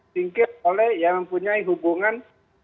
singkir oleh yang mempunyai hubungan